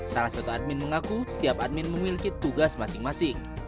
salah satu admin mengaku setiap admin memiliki tugas masing masing